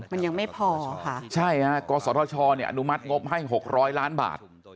มันยังไม่พอค่ะใช่ฮะกศธชเนี่ยอนุมัติงบให้๖๐๐ล้านบาท